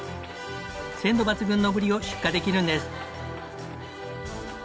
鮮度抜群のブリを出荷できるんです。